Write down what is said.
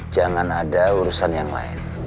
jangan ada urusan yang lain